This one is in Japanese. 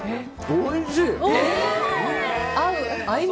おいしい！